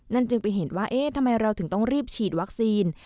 จึงไปเห็นว่าเอ๊ะทำไมเราถึงต้องรีบฉีดวัคซีน